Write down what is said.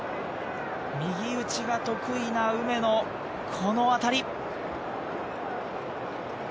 右打ちが得意な梅野、この当たり。